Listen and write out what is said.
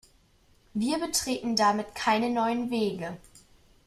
Wir betreten damit keine neuen Wege.